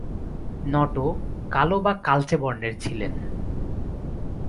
Not কালো বা কালচে বর্ণের ছিলেন।